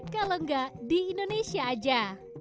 kalau enggak di indonesia aja